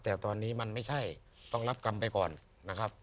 แต่ตอนนี้มันไม่ใช่ต้องรับกรรมไปก่อนนะครับ